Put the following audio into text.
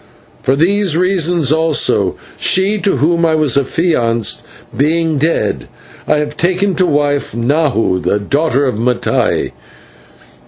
For these reasons also she to whom I was affianced being dead I have taken to wife Nahua the daughter of Mattai.